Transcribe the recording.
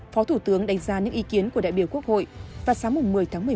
phó thủ tướng đánh giá những ý kiến của đại biểu quốc hội vào sáng một mươi tháng một mươi một